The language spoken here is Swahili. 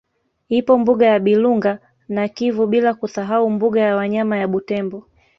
Ipo mbuga ya Bilunga na Kivu bila kusahau mbuga ya wanyama ya Butembo